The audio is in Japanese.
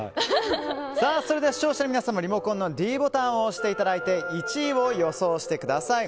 それでは視聴者の皆さんもリモコンのｄボタンを押して１位を予想してください。